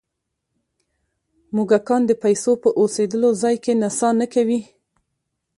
موږکان د پیسو په اوسېدلو ځای کې نڅا نه کوي.